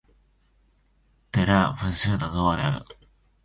デラウェア州の州都はドーバーである